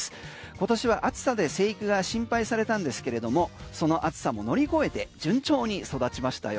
今年は暑さで生育が心配されたんですけれどもその暑さも乗り越えて順調に育ちましたよ。